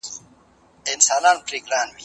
د نجلۍ او هلک د زده کړو کچه څومره مهمه ده؟